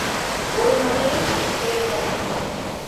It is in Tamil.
ஒரு நொடியில் கெட்டேனோ?